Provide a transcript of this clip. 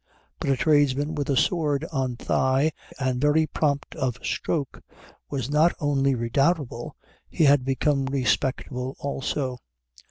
But a tradesman with sword on thigh and very prompt of stroke was not only redoubtable, he had become respectable also.